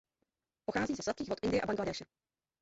Pochází ze sladkých vod Indie a Bangladéše.